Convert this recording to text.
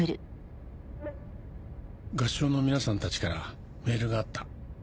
「合唱の皆さんたちからメールがあった」。